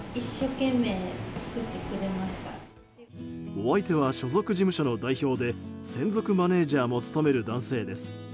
お相手は所属事務所の代表で専属マネジャーも務める男性です。